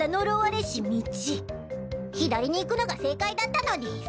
左に行くのが正解だったのでぃす。